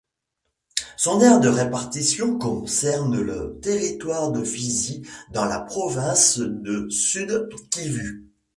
Son aire de répartition concerne le territoire de Fizi dans la province du Sud-Kivu.